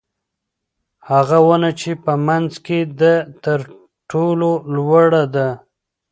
هغه ونه چې په منځ کې ده تر ټولو لوړه ده.